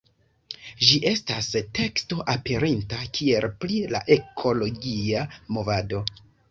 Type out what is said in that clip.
Ĝi estas teksto aperinta kiel “Pri la ekologia movado.